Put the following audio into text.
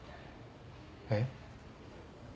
えっ？